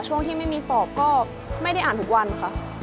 ช่วงที่ไม่มีสอบก็ไม่ได้อ่านทุกวันค่ะ